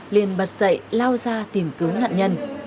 liền bật dậy lao ra tìm cứu nạn nhân